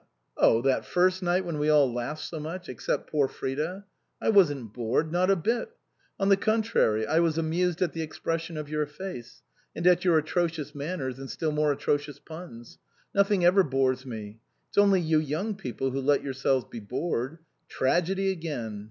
Oh, that first night when we all laughed so much, except poor Frida. I wasn't bored not a bit ; on the con trary, I was amused at the expression of your face, and at your atrocious manners and still more atrocious puns. Nothing ever bores me. It's only you young people who let yourselves be bored. Tragedy again.